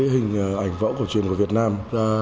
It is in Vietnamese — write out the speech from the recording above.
hình ảnh võ cổ truyền của việt nam